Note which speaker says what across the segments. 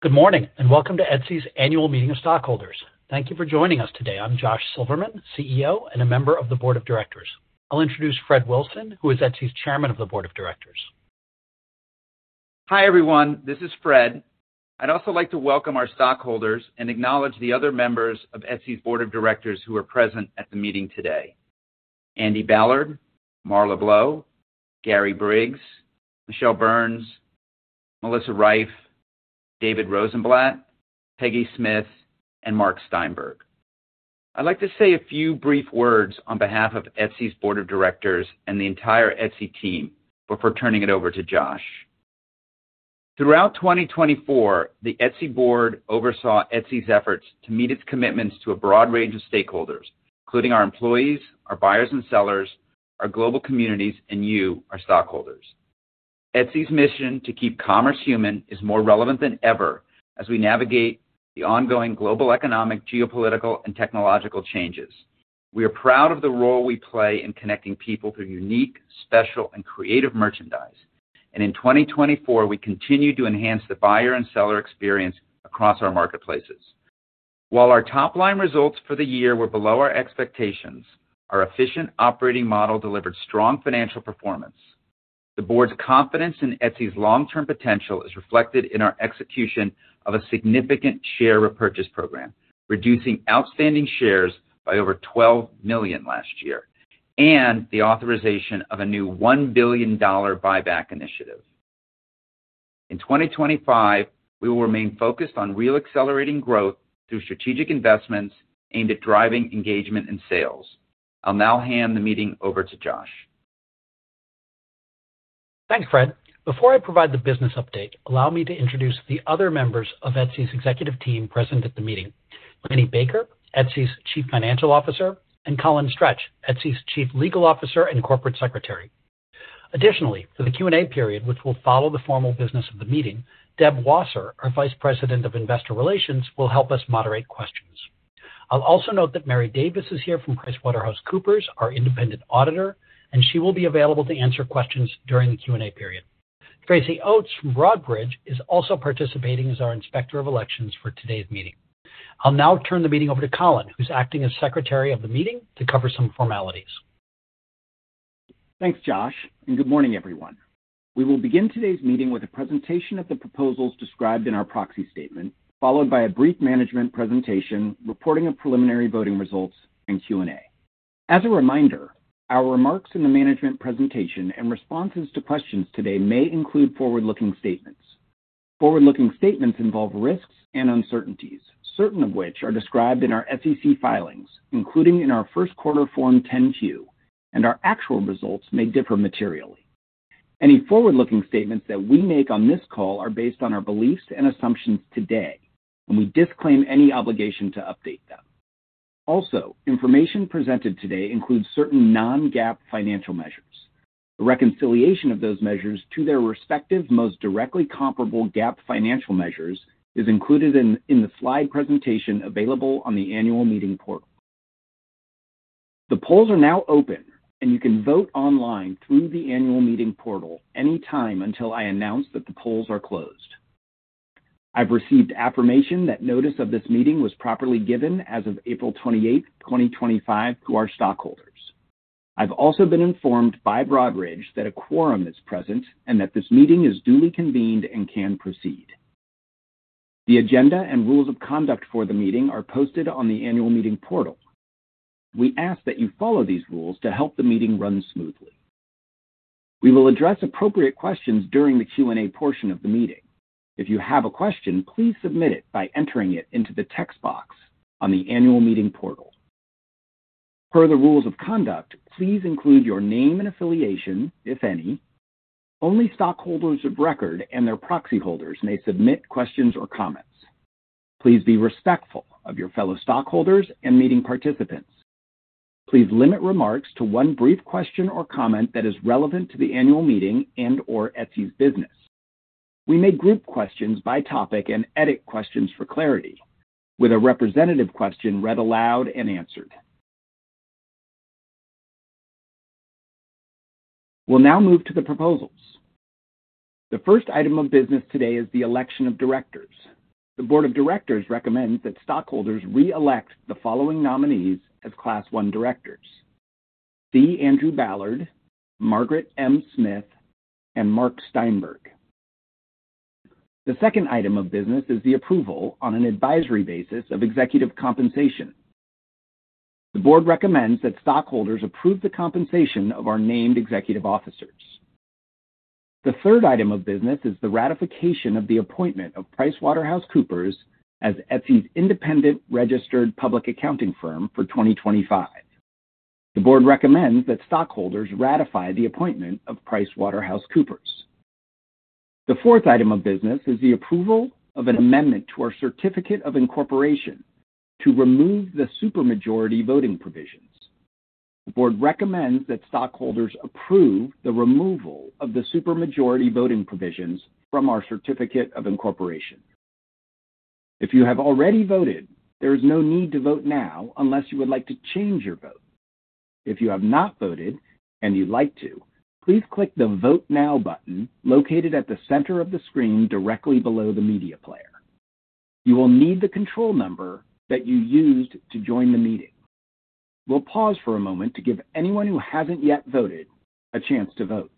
Speaker 1: Good morning and welcome to Etsy's annual meeting of stockholders. Thank you for joining us today. I'm Josh Silverman, CEO and a member of the Board of Directors. I'll introduce Fred Wilson, who is Etsy's Chairman of the Board of Directors.
Speaker 2: Hi everyone, this is Fred. I'd also like to welcome our stockholders and acknowledge the other members of Etsy's Board of Directors who are present at the meeting today: Andy Ballard, Marla Blow, Gary Briggs, Michele Burns, Melissa Reiff, David Rosenblatt, Peggy Smyth, and Mark Steinberg. I'd like to say a few brief words on behalf of Etsy's Board of Directors and the entire Etsy team, before turning it over to Josh. Throughout 2024, the Etsy Board oversaw Etsy's efforts to meet its commitments to a broad range of stakeholders, including our employees, our buyers and sellers, our global communities, and you, our stockholders. Etsy's mission to keep commerce human is more relevant than ever as we navigate the ongoing global economic, geopolitical, and technological changes. We are proud of the role we play in connecting people through unique, special, and creative merchandise, and in 2024, we continue to enhance the buyer and seller experience across our marketplaces. While our top-line results for the year were below our expectations, our efficient operating model delivered strong financial performance. The Board's confidence in Etsy's long-term potential is reflected in our execution of a significant share repurchase program, reducing outstanding shares by over 12 million last year, and the authorization of a new $1 billion buyback initiative. In 2025, we will remain focused on real accelerating growth through strategic investments aimed at driving engagement and sales. I'll now hand the meeting over to Josh.
Speaker 1: Thanks, Fred. Before I provide the business update, allow me to introduce the other members of Etsy's executive team present at the meeting: Lenny Baker, Etsy's Chief Financial Officer, and Colin Stretch, Etsy's Chief Legal Officer and Corporate Secretary. Additionally, for the Q&A period, which will follow the formal business of the meeting, Deb Wasser, our Vice President of Investor Relations, will help us moderate questions. I'll also note that Mary Davis is here from PricewaterhouseCoopers, our independent Auditor, and she will be available to answer questions during the Q&A period. Tracy Oates from Broadridge is also participating as our inspector of elections for today's meeting. I'll now turn the meeting over to Colin, who's acting as secretary of the meeting to cover some formalities.
Speaker 3: Thanks, Josh, and good morning, everyone. We will begin today's meeting with a presentation of the proposals described in our proxy statement, followed by a brief management presentation reporting on preliminary voting results and Q&A. As a reminder, our remarks in the management presentation and responses to questions today may include forward-looking statements. Forward-looking statements involve risks and uncertainties, certain of which are described in our SEC filings, including in our first quarter Form 10-Q, and our actual results may differ materially. Any forward-looking statements that we make on this call are based on our beliefs and assumptions today, and we disclaim any obligation to update them. Also, information presented today includes certain non-GAAP financial measures. The reconciliation of those measures to their respective most directly comparable GAAP financial measures is included in the slide presentation available on the annual meeting portal. The polls are now open, and you can vote online through the annual meeting portal anytime until I announce that the polls are closed. I've received affirmation that notice of this meeting was properly given as of April 28, 2025, to our stockholders. I've also been informed by Broadridge that a quorum is present and that this meeting is duly convened and can proceed. The agenda and rules of conduct for the meeting are posted on the annual meeting portal. We ask that you follow these rules to help the meeting run smoothly. We will address appropriate questions during the Q&A portion of the meeting. If you have a question, please submit it by entering it into the text box on the annual meeting portal. Per the rules of conduct, please include your name and affiliation, if any. Only stockholders of record and their proxy holders may submit questions or comments. Please be respectful of your fellow stockholders and meeting participants. Please limit remarks to one brief question or comment that is relevant to the annual meeting and/or Etsy's business. We may group questions by topic and edit questions for clarity, with a representative question read aloud and answered. We'll now move to the proposals. The first item of business today is the election of directors. The Board of Directors recommends that stockholders re-elect the following nominees as class one directors: C. Andrew Ballard, Margaret M. Smyth, and Mark Steinberg. The second item of business is the approval, on an advisory basis, of executive compensation. The Board recommends that stockholders approve the compensation of our named executive officers. The third item of business is the ratification of the appointment of PricewaterhouseCoopers as Etsy's independent registered public accounting firm for 2025. The Board recommends that stockholders ratify the appointment of PricewaterhouseCoopers. The fourth item of business is the approval of an amendment to our Certificate of Incorporation to remove the supermajority voting provisions. The Board recommends that stockholders approve the removal of the supermajority voting provisions from our Certificate of Incorporation. If you have already voted, there is no need to vote now unless you would like to change your vote. If you have not voted and you'd like to, please click the Vote Now button located at the center of the screen directly below the media player. You will need the control number that you used to join the meeting. We'll pause for a moment to give anyone who hasn't yet voted a chance to vote.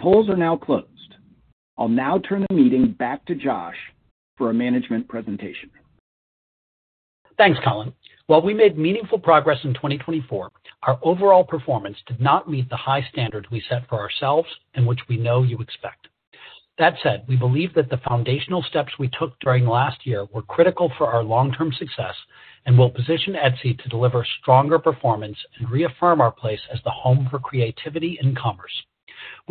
Speaker 3: The polls are now closed. I'll now turn the meeting back to Josh for a management presentation.
Speaker 1: Thanks, Colin. While we made meaningful progress in 2024, our overall performance did not meet the high standards we set for ourselves and which we know you expect. That said, we believe that the foundational steps we took during last year were critical for our long-term success and will position Etsy to deliver stronger performance and reaffirm our place as the home for creativity and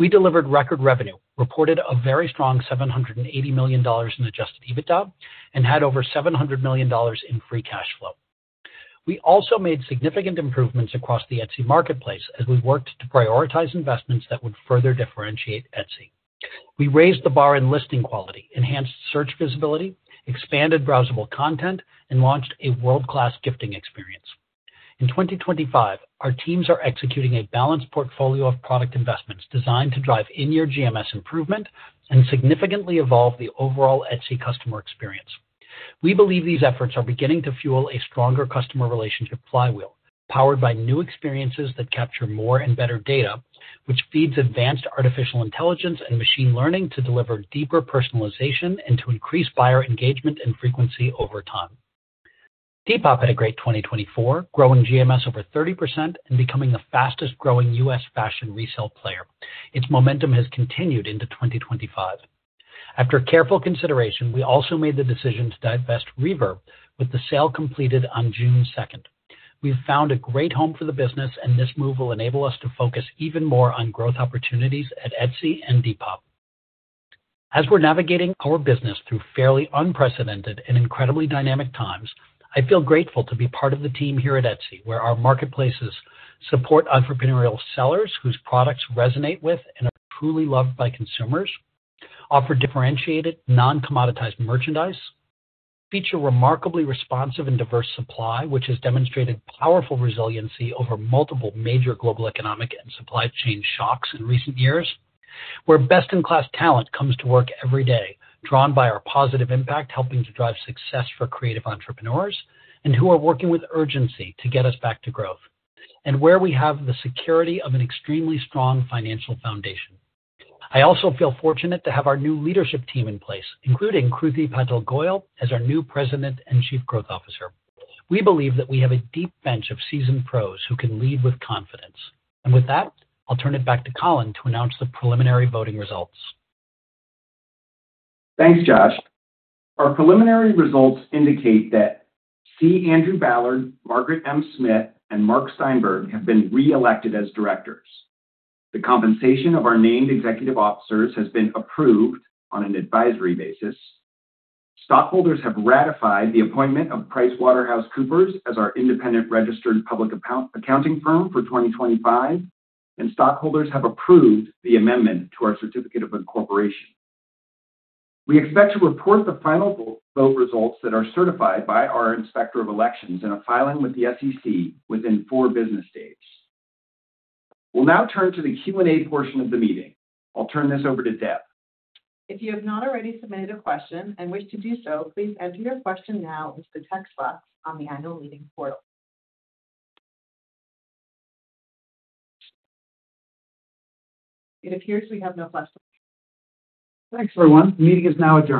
Speaker 1: commerce. We delivered record revenue, reported a very strong $780 million in adjusted EBITDA, and had over $700 million in free cash flow. We also made significant improvements across the Etsy marketplace as we worked to prioritize investments that would further differentiate Etsy. We raised the bar in listing quality, enhanced search visibility, expanded browsable content, and launched a world-class gifting experience. In 2025, our teams are executing a balanced portfolio of product investments designed to drive in-year GMS improvement and significantly evolve the overall Etsy customer experience. We believe these efforts are beginning to fuel a stronger customer relationship flywheel powered by new experiences that capture more and better data, which feeds advanced artificial intelligence and machine learning to deliver deeper personalization and to increase buyer engagement and frequency over time. Depop had a great 2024, growing GMS over 30% and becoming the fastest-growing U.S. fashion resale player. Its momentum has continued into 2025. After careful consideration, we also made the decision to divest Reverb, with the sale completed on June 2nd. We've found a great home for the business, and this move will enable us to focus even more on growth opportunities at Etsy and Depop. As we're navigating our business through fairly unprecedented and incredibly dynamic times, I feel grateful to be part of the team here at Etsy, where our marketplaces support entrepreneurial sellers whose products resonate with and are truly loved by consumers, offer differentiated, non-commoditized merchandise, feature remarkably responsive and diverse supply, which has demonstrated powerful resiliency over multiple major global economic and supply chain shocks in recent years, where best-in-class talent comes to work every day, drawn by our positive impact, helping to drive success for creative entrepreneurs and who are working with urgency to get us back to growth, and where we have the security of an extremely strong financial foundation. I also feel fortunate to have our new leadership team in place, including Kruti Patel Goyal as our new President and Chief Growth Officer. We believe that we have a deep bench of seasoned pros who can lead with confidence. With that, I'll turn it back to Colin to announce the preliminary voting results.
Speaker 3: Thanks, Josh. Our preliminary results indicate that C. Andrew Ballard, Margaret M. Smyth, and Mark Steinberg have been re-elected as directors. The compensation of our named executive officers has been approved on an advisory basis. Stockholders have ratified the appointment of PricewaterhouseCoopers as our independent registered public accounting firm for 2025, and stockholders have approved the amendment to our Certificate of Incorporation. We expect to report the final vote results that are certified by our inspector of elections in a filing with the SEC within four business days. We'll now turn to the Q&A portion of the meeting. I'll turn this over to Deb.
Speaker 4: If you have not already submitted a question and wish to do so, please enter your question now into the text box on the annual meeting portal. It appears we have no questions.
Speaker 1: Thanks, everyone. The meeting is now adjourned.